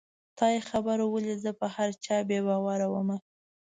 خدای خبر ولې زه په هر چا بې باوره ومه